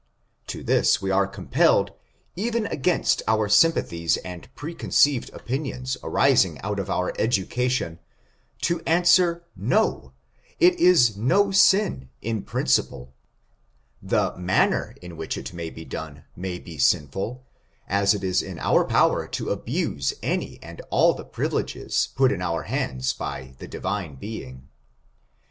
To this we are compelled, even against our sympathies and precon ceived opinions arising out of our education, to an swer no, it is no sin in principle ; the manner in which it may be done may be sinful, as it is in our power to abuse any and all the privileges put in our bands by the Divine Being.